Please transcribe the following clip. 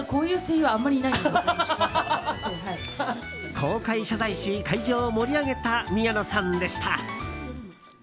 公開謝罪し会場を盛り上げた宮野さんでした。